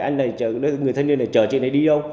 anh này người thanh niên này chờ chị này đi đâu